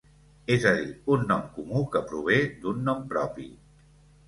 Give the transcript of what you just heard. És a dir, un nom comú que prové d'un nom propi.